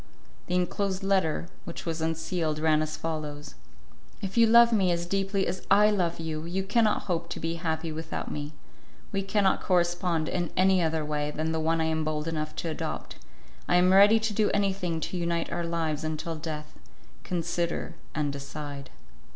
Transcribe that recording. The enclosed letter which was unsealed, ran as follows: "If you love me as deeply as I love you, you cannot hope to be happy without me; we cannot correspond in any other way than the one I am bold enough to adopt. I am ready to do anything to unite our lives until death. Consider and decide."